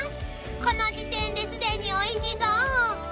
［この時点ですでにおいしそう］